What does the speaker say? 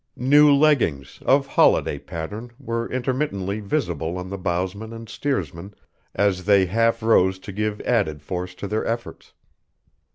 New leggings, of holiday pattern, were intermittently visible on the bowsmen and steersmen as they half rose to give added force to their efforts.